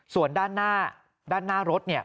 ส่วนด้านหน้าด้านหน้ารถเนี่ย